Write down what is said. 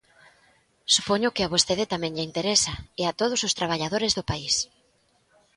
Supoño que a vostede tamén lle interesa, e a todos os traballadores do país.